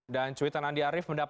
dan cuitan andi arief mendapatkan